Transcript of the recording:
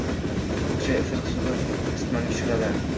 Ko‘k choy, isiriq suvi isitmani tushiradi.